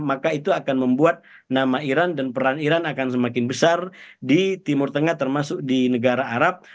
maka itu akan membuat nama iran dan peran iran akan semakin besar di timur tengah termasuk di negara arab